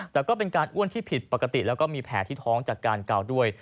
แต่ก็เป็นการอ้วนที่ผิดปกติแล้วก็มีแผลที่ท้องจากการเกาด้วย